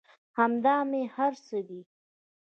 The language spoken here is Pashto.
همدا مې هر څه دى.